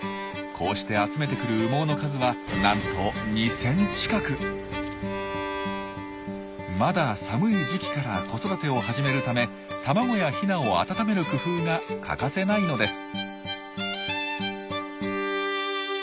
こうして集めてくる羽毛の数はなんとまだ寒い時期から子育てを始めるため卵やヒナを温める工夫が欠かせないのです。